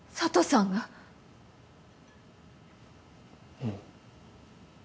うん。